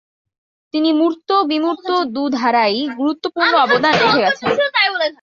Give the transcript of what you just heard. তিনি মূর্ত ও বিমূর্ত দু-ধারায়ই গুরুত্বপূর্ণ অবদান রেখে গেছেন।